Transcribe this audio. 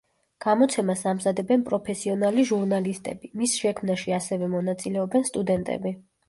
გამოცემას ამზადებენ პროფესიონალი ჟურნალისტები, მის შექმნაში ასევე მონაწილეობენ სტუდენტები.